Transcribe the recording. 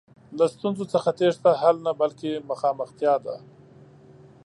له ستونزو څخه تېښته حل نه، بلکې مخامختیا ده.